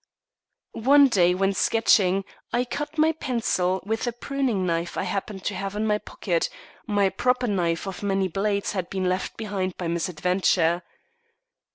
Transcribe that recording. One day when sketching I cut my pencil with a pruning knife I happened to have in my pocket; my proper knife of many blades had been left behind by misadventure.